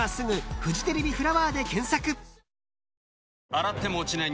洗っても落ちない